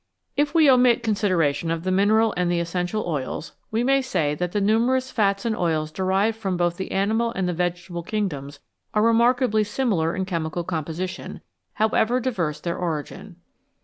If we omit consideration of the mineral and the essential oils, we may say that the numerous fats and oils derived from both the animal and the vegetable kingdoms are remarkably similar in chemical composition, 237 FATS AND OILS however diverse their origin.